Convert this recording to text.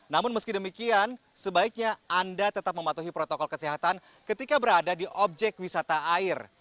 namun meski demikian sebaiknya anda tetap mematuhi protokol kesehatan ketika berada di objek wisata air